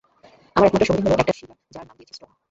আমার একমাত্র সঙ্গী হল একটা শিলা যার নাম দিয়েছি স্টোন।